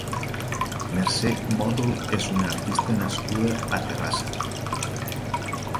Mercè Modol és una artista nascuda a Terrassa.